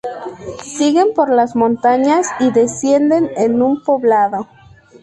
Siguen por las montañas y descienden en un poblado.